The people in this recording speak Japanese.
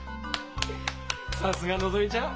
さすがのぞみちゃん！